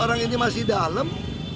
orang ini masih dalam